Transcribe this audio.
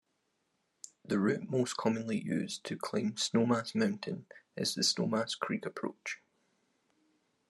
The route most commonly used to climb Snowmass Mountain is the Snowmass Creek approach.